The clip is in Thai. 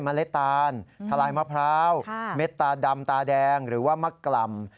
เล็ดตาลทะลายมะพร้าวเม็ดตาดำตาแดงหรือว่ามะกล่ำ